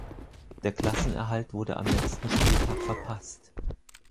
Der Klassenerhalt wurde am letzten Spieltag verpasst.